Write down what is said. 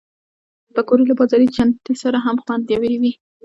پکورې له بازاري چټني سره هم خوندورې وي